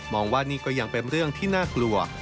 ว่านี่ก็ยังเป็นเรื่องที่น่ากลัว